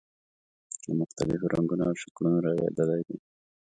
له مختلفو رنګونو او شکلونو رغېدلی دی.